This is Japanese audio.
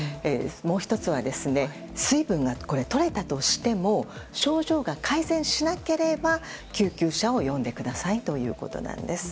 もう１つは水分が取れたとしても症状が改善しなければ救急車を呼んでくださいということなんです。